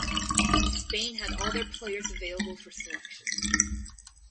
Spain had all their players available for selection.